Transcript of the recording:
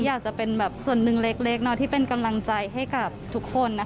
อยากจะเป็นแบบส่วนหนึ่งเล็กที่เป็นกำลังใจให้กับทุกคน